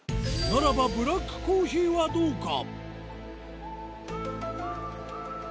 ならばブラックコーヒーはどうか？